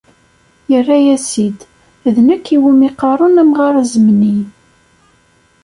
Yerra-as-id: "D nekk iwumi qqaren amɣar azemni."